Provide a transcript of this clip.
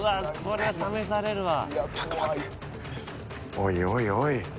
おいおいおい